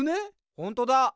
ほんとだ。